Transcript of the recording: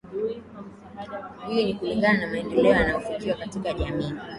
Hii ni kulingana na maendeleo yanayofikiwa katika jamii